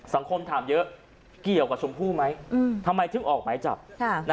สังคมถามเยอะเกี่ยวกับชมพู่ไหมทำไมถึงออกหมายจับ